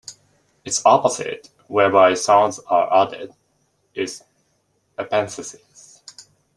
Its opposite, whereby sounds are added, is epenthesis.